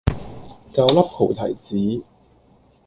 九粒菩提子